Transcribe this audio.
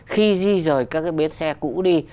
khi di rời các bến xe cũ đi